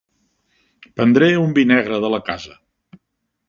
Prendré un vi negre de la casa.